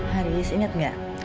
haris ingat gak